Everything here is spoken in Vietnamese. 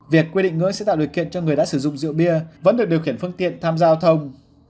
việc quyết định ngưỡng sẽ tạo được kiện cho người đã sử dụng rượu bia vẫn được điều khiển phương tiện tham giao thông